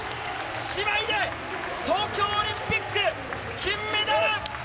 姉妹で東京オリンピック金メダル！